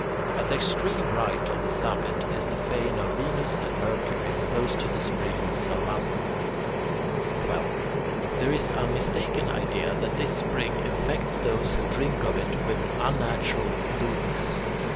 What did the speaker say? At the extreme right of the summit is the fane of Venus and Mercury, close to the spring of Salmacis. 12. There is a mistaken idea that this spring infects those who drink of it with an unnatural lewdness.